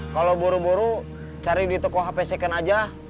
kalau buru buru cari di toko hp second aja